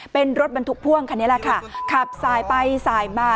เป็นรถบรรทุกพ่วงคันนี้แหละค่ะขับสายไปสายมา